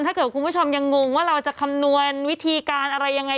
คุณผู้ชมยังงงว่าเราจะคำนวณวิธีการอะไรยังไง